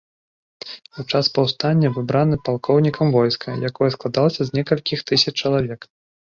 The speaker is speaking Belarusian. У час паўстання выбраны палкоўнікам войска, якое складалася з некалькіх тысяч чалавек.